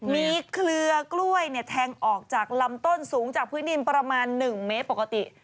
มีเครือกล้วยแทงออกจากลำต้นสูงจากพื้นดินประมาณ๑เมตรปกติ